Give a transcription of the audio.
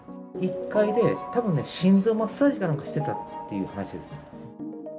１階で、たぶんね、心臓マッサージかなんかしてたっていう話ですね。